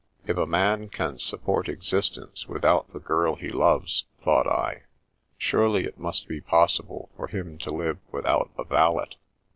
If a man can sup port existence without the girl he loves, thought I, surely it must be possible for him to live without a valet.